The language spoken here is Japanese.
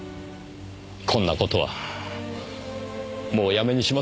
こんな事はもうやめにしませんか？